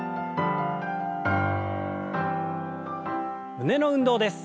胸の運動です。